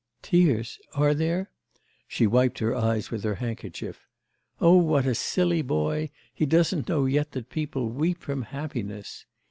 'Tears? Are there?' She wiped her eyes with her handkerchief. 'Oh, what a silly boy! He doesn't know yet that people weep from happiness.